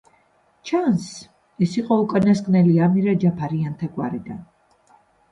ჩანს, ეს იყო უკანასკნელი ამირა ჯაფარიანთა გვარიდან.